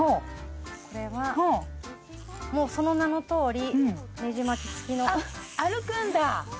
これはもうその名のとおりネジ巻きつきのあっ歩くんだ！